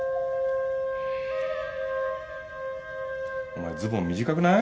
お前ズボン短くない？